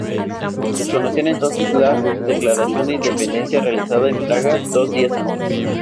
Desconocían entonces la declaración de independencia realizada en Praga dos días antes.